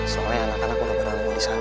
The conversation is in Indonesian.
soalnya anak anak udah pernah nunggu di sana